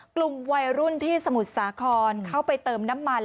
กลุ่มวัยรุ่นที่สมุทรสาครเข้าไปเติมน้ำมัน